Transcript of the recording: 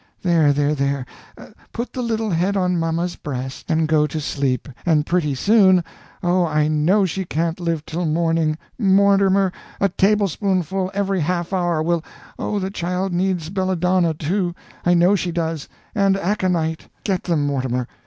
There, there, there, put the little head on mamma's breast and go to sleep, and pretty soon oh, I know she can't live till morning! Mortimer, a tablespoonful every half hour will Oh, the child needs belladonna, too; I know she does and aconite. Get them, Mortimer.